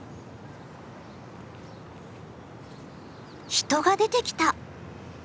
人が出てきた。